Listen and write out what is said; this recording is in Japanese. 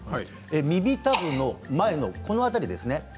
耳たぶの前の辺りです。